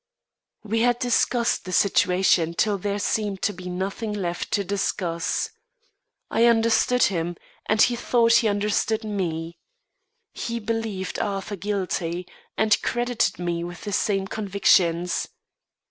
We had discussed the situation till there seemed to be nothing left to discuss. I understood him, and he thought he understood me. He believed Arthur guilty, and credited me with the same convictions.